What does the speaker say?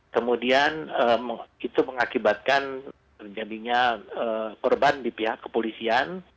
kemudian itu mengakibatkan terjadinya korban di pihak kepolisian